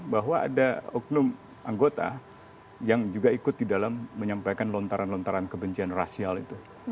bahwa ada oknum anggota yang juga ikut di dalam menyampaikan lontaran lontaran kebencian rasial itu